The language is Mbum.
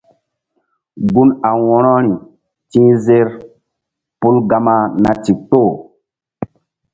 Gun a wo̧rori ti̧h zer pul gama na ndikpoh.